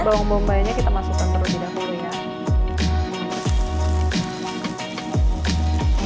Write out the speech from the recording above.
oke bawang bombaynya kita masukkan dulu di dapurnya